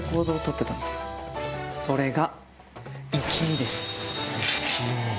それが。